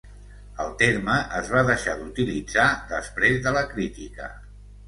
el terme es va deixar d'utilitzar després de la crítica